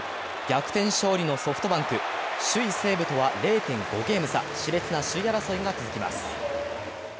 逆転勝利のソフトバンク、首位・西武とは０．５ゲーム差し烈な首位争いが続きます。